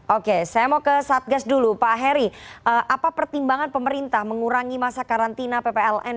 oke saya mau ke satgas dulu pak heri apa pertimbangan pemerintah mengurangi masa karantina ppln